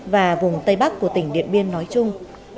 và vùng tây bắc của tỉnh điện biên nói chung